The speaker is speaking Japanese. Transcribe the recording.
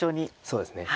そうですね。